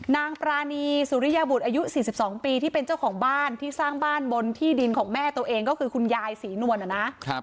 นางปรานีสุริยบุตรอายุ๔๒ปีที่เป็นเจ้าของบ้านที่สร้างบ้านบนที่ดินของแม่ตัวเองก็คือคุณยายศรีนวลน่ะนะ